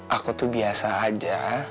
aku tuh biasa aja